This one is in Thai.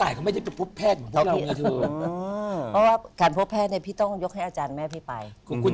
อ๋่อย่างที่บอกไป